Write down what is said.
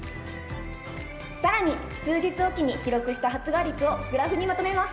更に数日置きに記録した発芽率をグラフにまとめました。